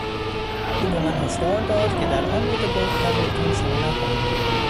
او به من هشدار داد که در آن رود پر تلاطم شنا نکنم.